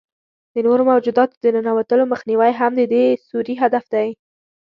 د نورو موجوداتو د ننوتلو مخنیوی هم د دې سوري هدف دی.